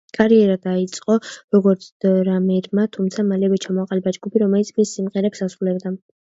კარიერა დაიწყო როგორც დრამერმა, თუმცა მალევე ჩამოაყალიბა ჯგუფი, რომელიც მის სიმღერებს ასრულებდა.